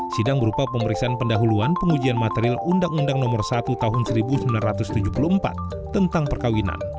sidang berupa pemeriksaan pendahuluan pengujian material undang undang nomor satu tahun seribu sembilan ratus tujuh puluh empat tentang perkawinan